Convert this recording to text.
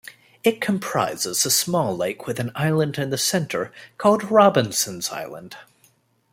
It comprises a small lake with an island in the centre, called Robinson's island.